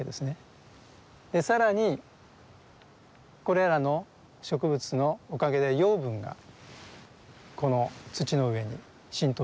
更にこれらの植物のおかげで養分がこの土の上に浸透する。